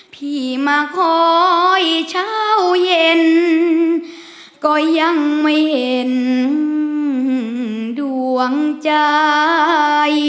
พี่มาคอยเช้าเย็นก็ยังไม่เห็นดวงใจ